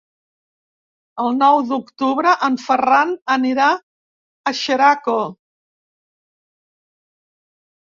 El nou d'octubre en Ferran anirà a Xeraco.